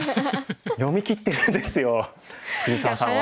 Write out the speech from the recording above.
読みきってるんですよ藤沢さんは。